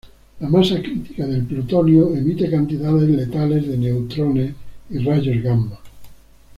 La masa crítica del plutonio emite cantidades letales de neutrones y rayos gamma.